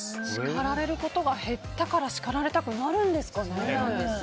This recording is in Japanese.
叱られることが減ったから叱られたくなるんですかね。